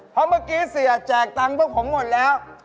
เพราะเมื่อกี้เสียแจกตังค์พวกผมหมดแล้ว